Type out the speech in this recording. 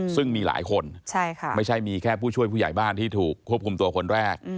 ซึ่งมีหลายคนไม่ใช่มีแค่ผู้ช่วยผู้ใหญ่บ้านที่ถูกควบคุมตัวคนแรก